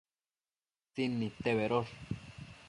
Utsin nidte bedosh